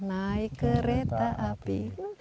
naik kereta api